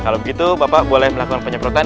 kalau begitu bapak boleh melakukan penyemprotan